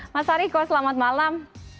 mas hariko selamat malam